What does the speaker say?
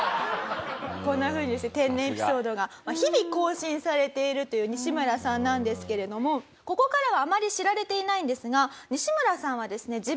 こんなふうにして天然エピソードが日々更新されているという西村さんなんですけれどもここからはあまり知られていないんですが西村さんはですね